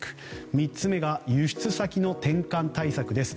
３つ目が輸出先の転換対策です。